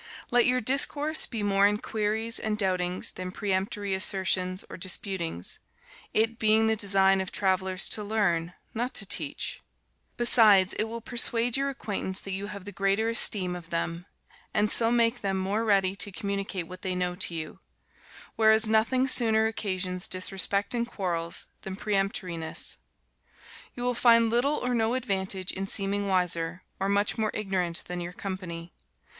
Let your discourse be more in querys and doubtings than peremptory assertions or disputings, it being the designe of travelers to learne, not to teach. Besides, it will persuade your acquaintance that you have the greater esteem of them, and soe make them more ready to communicate what they know to you; whereas nothing sooner occasions disrespect and quarrels than peremptorinesse. You will find little or no advantage in seeming wiser, or much more ignorant than your company.